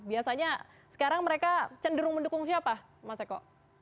biasanya sekarang mereka cenderung mendukung siapa mas eko